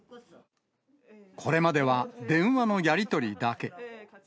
これまでは電話のやり取りだけ。